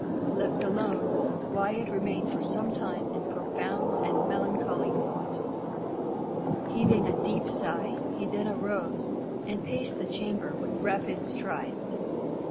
Left alone, Wyat remained for some time in profound and melancholy thought. Heaving a deep sigh, he then arose, and paced the chamber with rapid strides.